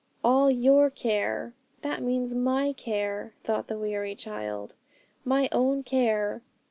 '"All your care," that means my care,' thought the weary child, 'my own care.